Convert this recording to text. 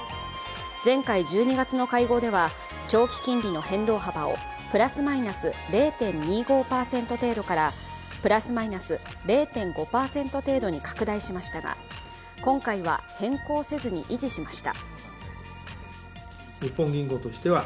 前回１２月の会合では長期金利の変動幅をプラスマイナス０．２５％程度からプラスマイナス０．５％程度に拡大しましたが、今回は変更せずに維持しました。